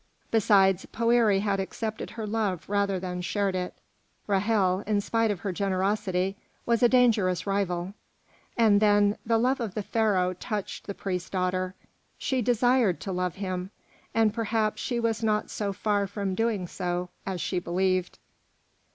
Besides, Poëri had accepted her love rather than shared it. Ra'hel, in spite of her generosity, was a dangerous rival; and then, the love of the Pharaoh touched the priest's daughter, she desired to love him, and perhaps she was not so far from doing so as she believed.